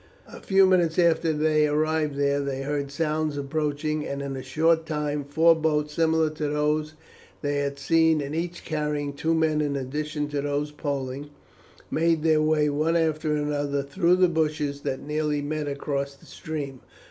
A few minutes after they arrived there they heard sounds approaching, and in a short time four boats similar to those they had seen, and each carrying two men in addition to those poling, made their way one after another through the bushes that nearly met across the stream.